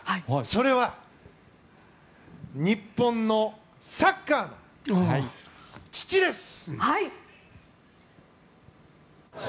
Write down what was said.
それは日本のサッカーの父です！